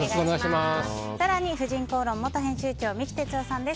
更に「婦人公論」元編集長三木哲男さんです。